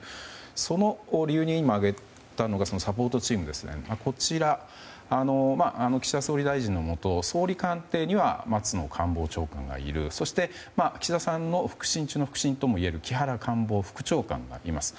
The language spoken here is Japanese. その理由に今、挙げたのがサポートチームですが、こちら岸田総理大臣のもと総理官邸には松野官房長官がいるそして、岸田さんの腹心中の腹心ともいえる木原官房副長官がいます。